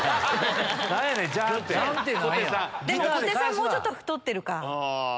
もうちょっと太ってるか。